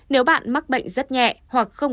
nếu bạn mắc bệnh rất nhẹ hoặc không